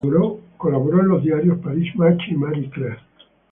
Colaboró en los diarios "Paris-Match" y "María-Claire".